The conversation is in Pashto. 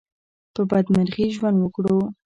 په بدمرغي ژوند وکړو.